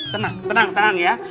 tenang tenang tenang ya